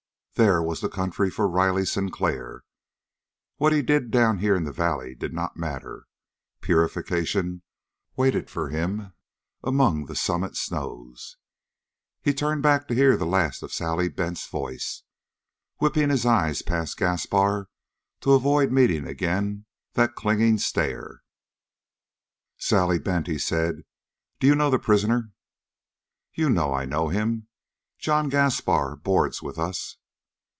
There was the country for Riley Sinclair. What he did down here in the valleys did not matter. Purification waited for him among the summit snows. He turned back to hear the last of Sally Bent's voice, whipping his eyes past Gaspar to avoid meeting again that clinging stare. "Sally Bent," he said, "do you know the prisoner?" "You know I know him. John Gaspar boards with us."